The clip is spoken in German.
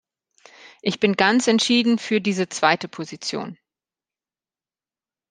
Ich bin ganz entschieden für diese zweite Position.